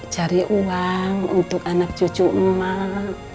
cari uang untuk anak cucu emak